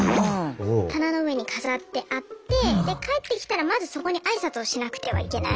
棚の上に飾ってあってで帰ってきたらまずそこに挨拶をしなくてはいけない。